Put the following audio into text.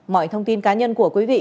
mọi thông tin cá nhân của quý vị